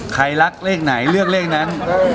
ใครรักเลขไหนเลือกเลขนั้น